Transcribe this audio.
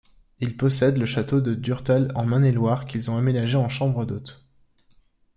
Ils possèdent le château de Durtal en Maine-et-Loire, qu'ils ont aménagé en chambres d'hôte.